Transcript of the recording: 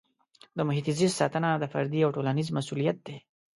د محیط زیست ساتنه د فردي او ټولنیز مسؤلیت دی.